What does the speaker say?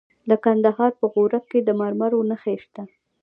د کندهار په غورک کې د مرمرو نښې شته.